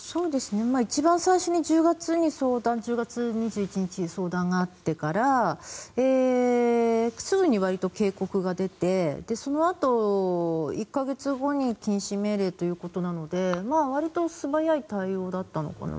一番最初に１０月２１日に相談があってからすぐにわりと警告が出てそのあと、１か月後に禁止命令ということなのでわりと素早い対応だったのかなと。